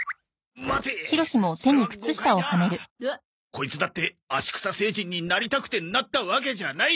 コイツだってアシクサ星人になりたくてなったわけじゃない。